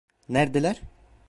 Neredeler?